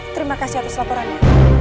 terima kasih atas laporannya